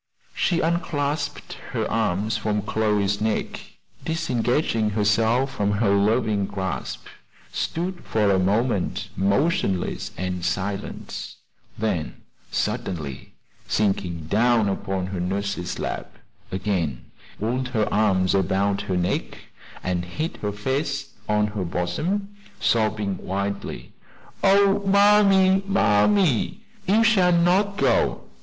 She unclasped her arms from Chloe's neck, disengaging herself from her loving grasp, stood for a moment motionless and silent; then, suddenly sinking down upon her nurse's lap, again wound her arms about her neck, and hid her face on her bosom, sobbing wildly: "Oh, mammy, mammy! you shall not go!